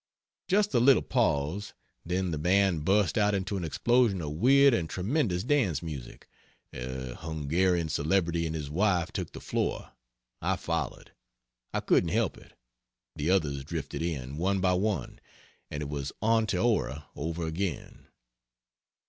Just a little pause then the Band burst out into an explosion of weird and tremendous dance music, a Hungarian celebrity and his wife took the floor I followed; I couldn't help it; the others drifted in, one by one, and it was Onteora over again.